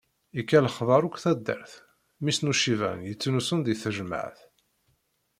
Yekka lexbar akk taddart, mmi-s n uciban yettnusun deg tejmeɛt.